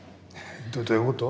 どどういうこと？